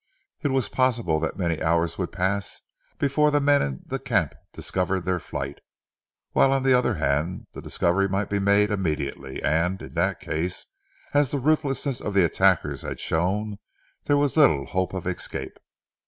It was possible that many hours would pass before the men in the camp discovered their flight; whilst on the other hand the discovery might be made immediately and, in that case, as the ruthlessness of the attackers had shown, there was little hope of escape.